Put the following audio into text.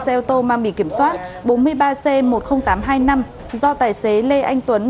xe ô tô mang biển kiểm soát bốn mươi ba c một mươi nghìn tám trăm hai mươi năm do tài xế lê anh tuấn